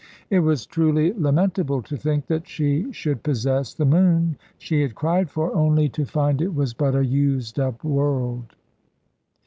It was truly lamentable to think that she should possess the moon she had cried for, only to find it was but a used up world.